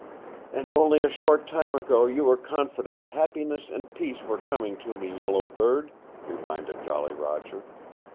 "And only a short time ago you were confident happiness and peace were coming to me, Yellow Bird," reminded Jolly Roger.